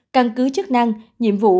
căn cứ chức năng nhiệm vụ